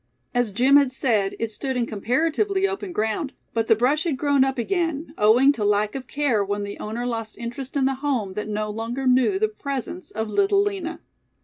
As Jim had said, it stood in comparatively open ground; but the brush had grown up again, owing to lack of care when the owner lost interest in the home that no longer knew the presence of Little Lina.